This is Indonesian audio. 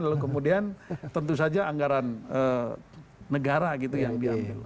lalu kemudian tentu saja anggaran negara gitu yang diambil